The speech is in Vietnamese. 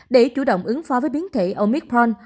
để chủ động ứng phó với biến thể omicron